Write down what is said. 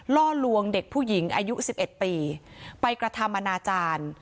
ล่อลวงเด็กผู้หญิงอายุ๑๑ปีไปกระทำอนาจารย์